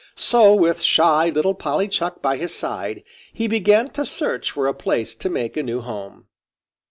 So, with shy little Polly Chuck by his side, he began to search for a place to make a new home.